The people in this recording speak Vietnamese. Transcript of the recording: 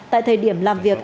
tại thời điểm làm việc